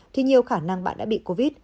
thì nhiều khả năng bạn đã bị covid